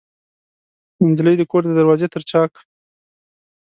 نجلۍ د کور د دروازې تر چاک